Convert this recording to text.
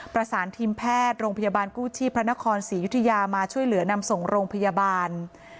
ประสานทีมแพทย์โรงพยาบาลกู้ชีพพระนครศรียุธยามาช่วยเหลือนำส่งโรงพยาบาล